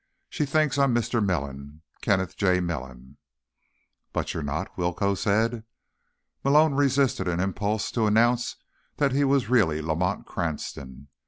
She thinks I'm Mr. Melon—Kenneth J. Melon." "But you're not," Willcoe said. Malone resisted an impulse to announce that he was really Lamont Cranston.